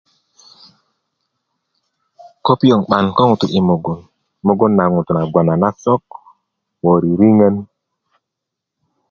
Ko piyoŋ 'ban ko ŋutu' yi mugun mugun na ŋutu' na gbon a na sok ko ririŋön